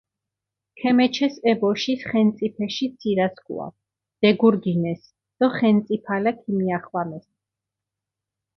ქემეჩეს ე ბოშის ხენწიფეში ცირასქუა, დეგურგინეს დო ხენწიფალა ქიმიახვამეს.